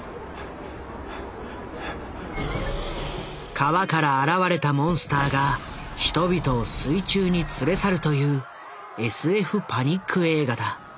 川から現れたモンスターが人々を水中に連れ去るというＳＦパニック映画だ。